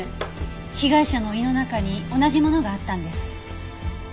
被害者の胃の中に同じものがあったんです。